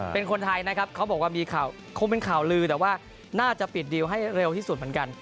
เป็นคนไทยนะครับเขาบอกว่ามีข่าวคงเป็นข่าวลือแต่ว่าน่าจะปิดดีลให้เร็วที่สุดเหมือนกัน